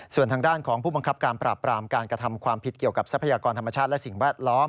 ส่วนทางด้านของผู้บังคับการปราบปรามการกระทำความผิดเกี่ยวกับทรัพยากรธรรมชาติและสิ่งแวดล้อม